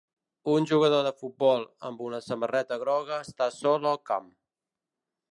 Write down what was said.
Un jugador de futbol amb una samarreta groga està sol al camp.